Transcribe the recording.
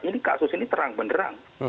ini kasus ini terang benderang